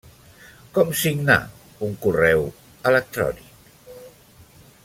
Com signar un correu electrònic?